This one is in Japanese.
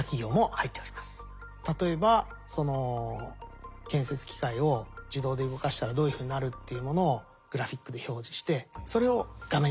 例えば建設機械を自動で動かしたらどういうふうになるっていうものをグラフィックで表示してそれを画面に提示すると。